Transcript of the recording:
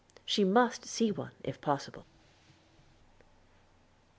She must see one if possible.